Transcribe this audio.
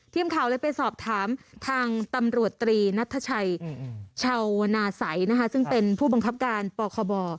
ทีมข่าวเลยไปสอบถามทางตำรวจตรีนัทชัยชาวนาศัยนะคะซึ่งเป็นผู้บังคับการปคบ